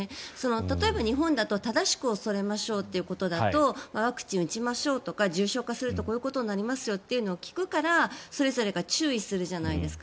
例えば日本だと正しく恐れましょうということだとワクチンを打ちましょうとか重症化するとこういうことになりますよと聞くからそれぞれが注意するじゃないですか。